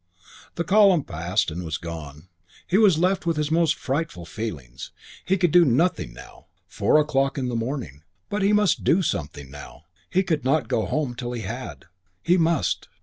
IV The column passed and was gone. He was left with his most frightful feelings. He could do nothing now. Four o'clock in the morning. But he must do something now. He could not go home till he had. He must.